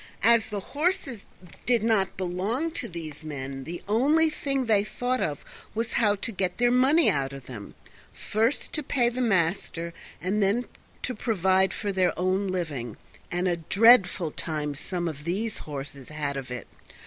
As the horses did not belong to these men the only thing they thought of was how to get their money out of them, first, to pay the master, and then to provide for their own living; and a dreadful time some of these horses had of it.